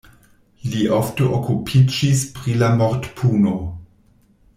Li ofte okupiĝis pri la mortpuno.